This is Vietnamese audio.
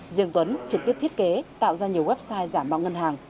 riêng tuấn trực tiếp thiết kế tạo ra nhiều website giả mạo ngân hàng